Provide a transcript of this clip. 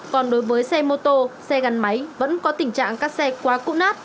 còn đối với xe mô tô xe gắn máy vẫn có tình trạng các xe quá cũ nát